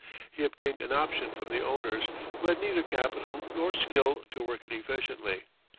He obtained an option from the owners, who had neither capital nor skill to work it efficiently.